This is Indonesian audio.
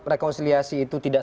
rekonsiliasi itu tidak